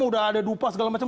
udah ada dupa segala macam